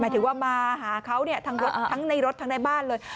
หมายถึงว่ามาหาเขาเนี่ยทั้งในรถทั้งในบ้านเลย